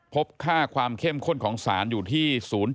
พบค่าความเข้มข้นของสารอยู่ที่๐๘